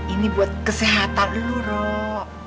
ini buat kesehatan dulu rok